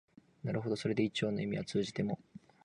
なるほどそれで一応の意味は通じても、